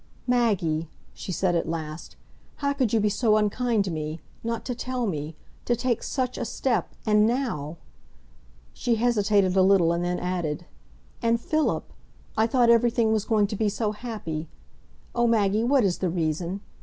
"Maggie," she said at last, "how could you be so unkind to me—not to tell me—to take such a step—and now!" She hesitated a little, and then added, "And Philip? I thought everything was going to be so happy. Oh, Maggie, what is the reason?